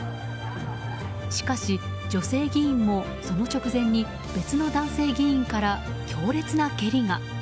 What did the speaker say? しかし女性議員もその直前に別の男性議員から強烈な蹴りが。